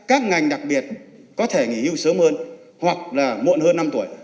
các ngành đặc biệt có thể nghỉ hưu sớm hơn hoặc là muộn hơn năm tuổi